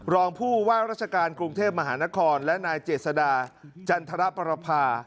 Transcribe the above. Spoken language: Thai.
รองผู้ว่าราชการกรุงเทพมหานครและนายเจษดาจันทรปรภา